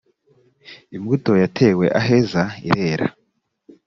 imbuto yatewe aheza irera.